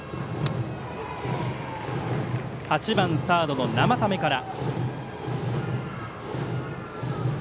８番サードの生田目から。